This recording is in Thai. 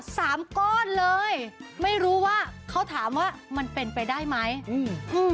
สามก้อนเลยไม่รู้ว่าเขาถามว่ามันเป็นไปได้ไหมอืมอืม